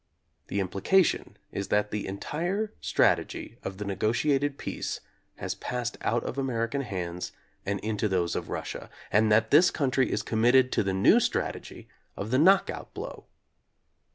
The implication is that the entire strat egy of the negotiated peace has passed out of American hands into those of Russia, and that this country is committed to the new strategy of the "knockout blow."